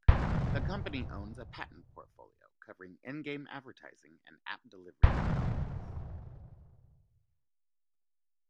The company owns a patent portfolio covering in-game advertising and app delivery technologies.